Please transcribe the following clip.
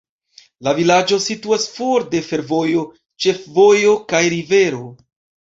La vilaĝo situas for de fervojo, ĉefvojo kaj rivero.